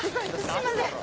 すいません。